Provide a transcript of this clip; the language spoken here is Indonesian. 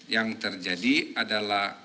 yang terjadi adalah